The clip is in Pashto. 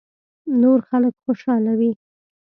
نور خلک خوشاله وي .